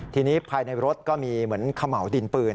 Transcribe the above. ทีนี้ภายในรถก็มีเหมือนเขม่าวดินปืน